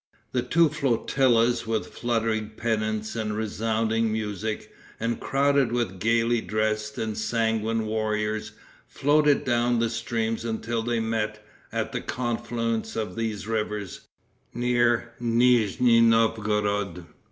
The two flotillas, with fluttering pennants and resounding music, and crowded with gayly dressed and sanguine warriors, floated down the streams until they met, at the confluence of these rivers, near Nizni Novgorod.